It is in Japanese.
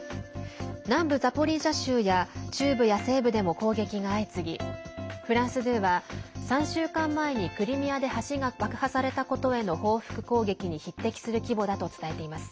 南部ザポリージャ州や中部や西部でも攻撃が相次ぎフランス２は３週間前にクリミアで橋が爆破されたことへの報復攻撃に匹敵する規模だと伝えています。